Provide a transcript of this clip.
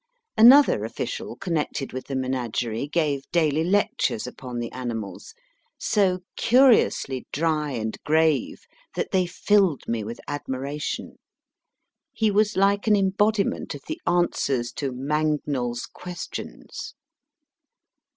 Another official connected with the menagerie gave daily lectures upon the animals, so curiously dry and grave that they filled me with admiration ; he was like an embodiment of the answers to * Hangnail s Questions.